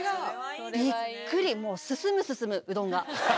びっくり、もう進む進む、うどんが。